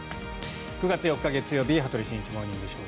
９月４日、月曜日「羽鳥慎一モーニングショー」。